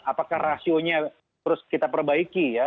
apakah rasionya terus kita perbaiki ya